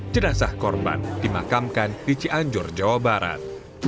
jenazah korban dimakamkan di cianjur jawa barat